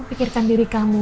pikirkan diri kamu